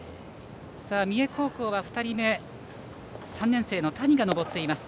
三重高校は２人目３年生の谷が登っています。